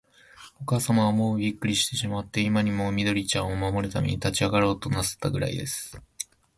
おかあさまは、もうびっくりしてしまって、今にも、緑ちゃんを守るために立ちあがろうとなすったくらいです。